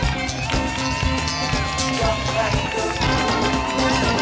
ก็อักตัว